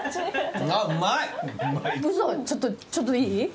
ちょっといい？